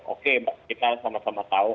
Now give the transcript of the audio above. oke mbak kita sama sama tahu